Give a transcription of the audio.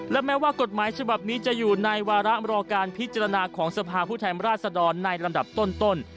และแม้ว่ากฎหมายฉบับนี้จะอยู่ในวาระรอการพิจารณาของสภาพผู้แทนราชดรในลำดับต้น